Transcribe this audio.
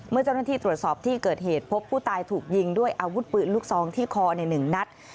เมื่อเจ้าหน้าที่ตรวจสอบที่เกิดเหตุพบผู้ตายถูกยิงด้วยอาวุธปืนลูกซองที่คอใน๑นัด